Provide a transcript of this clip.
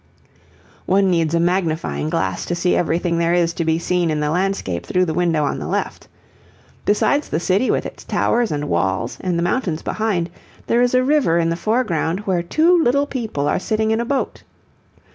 One needs a magnifying glass to see everything there is to be seen in the landscape through the window on the left. Besides the city with its towers and walls and the mountains behind, there is a river in the foreground where two little people are sitting in a boat.